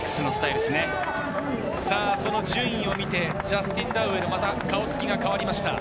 その順位を見てジャスティン・ドーウェル、また顔つきが変わりました。